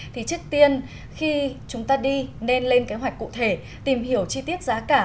thì trước tiên khi chúng ta đi nên lên kế hoạch cụ thể tìm hiểu chi tiết giá cả